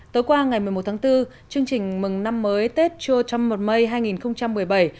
tối qua ngày một mươi một tháng bốn chương trình mừng năm mới tết trô trăm một mây hai nghìn một mươi bảy